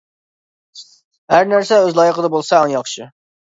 ھەر نەرسە ئۆز لايىقىدا بولسا ئەڭ ياخشى.